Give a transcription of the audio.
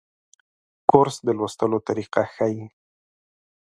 کورس د لوستلو طریقه ښيي.